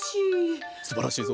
すばらしい。